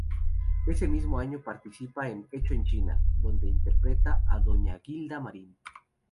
Ese mismo año participa en "Hecho en China", donde interpreta a Doña Gilda Marín.